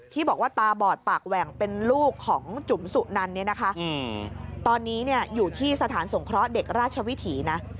ที่บอกว่าตาบอดปากแหว่งเป็นลูกของจุ๋มสุนันเนี่ยนะคะตอนนี้อยู่ที่สถานสงเคราะห์เด็กราชวิถีนะ